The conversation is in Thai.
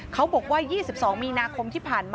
บอกว่า๒๒มีนาคมที่ผ่านมา